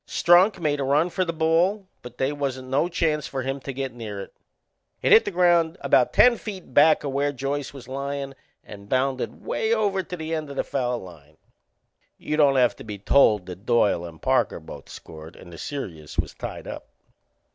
Strunk made a run for the ball, but they wasn't no chance for him to get near it. It hit the ground about ten feet back o' where Joyce was lyin' and bounded way over to the end o' the foul line. You don't have to be told that Doyle and Parker both scored and the serious was tied up.